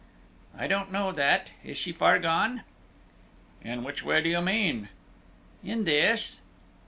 "I don't know that. Is she far gone?" "In which way do you mean?" "In this."